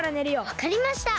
わかりました。